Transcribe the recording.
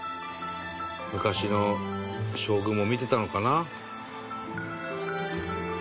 「昔の将軍も見てたのかな？」